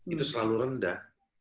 itu selalu rendah